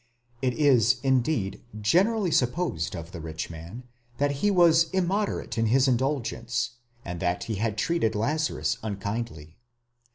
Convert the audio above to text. It is indeed generally supposed of the rich man, that he was immoderate in his indulgence, and that he had treated Lazarus unkindly.